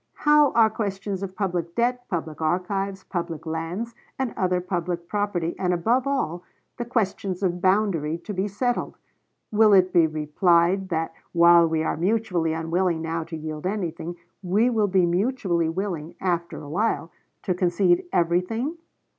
How are questions of public debt, public archives, public lands, and other public property, and, above all, the questions of boundary to be settled? Will it be replied that, while we are mutually unwilling now to yield anything, we will be mutually willing, after awhile, to concede everything?